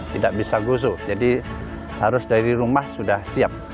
tidak bisa gusu jadi harus dari rumah sudah siap